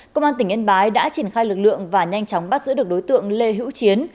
công an tỉnh yên bái đã triển khai lực lượng và nhanh chóng bắt giữ được đối tượng lê hữu chiến